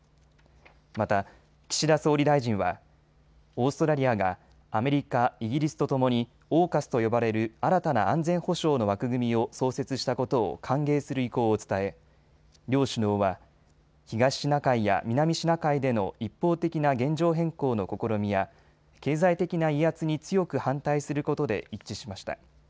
また、岸田総理大臣はオーストラリアがアメリカ、イギリスとともにＡＵＫＵＳと呼ばれる新たな安全保障の枠組みを創設したことを歓迎する意向を伝え両首脳は東シナ海や南シナ海での一方的な現状変更の試みや経済的な威圧に強く反対することで一致しました。